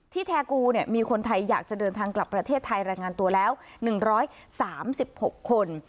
แทกูมีคนไทยอยากจะเดินทางกลับประเทศไทยรายงานตัวแล้ว๑๓๖คน